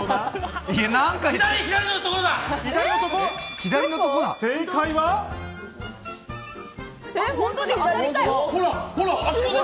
左のところだ。